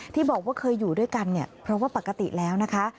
ที่บอกว่าเคยอยู่ด้วยกันเนี่ยเพราะว่าปกติแล้วนะคะ